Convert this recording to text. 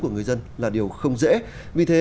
của người dân là điều không dễ vì thế